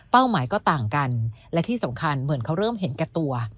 หมายก็ต่างกันและที่สำคัญเหมือนเขาเริ่มเห็นแก่ตัว